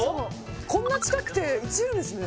こんな近くて映るんですね